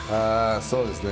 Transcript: そうですね。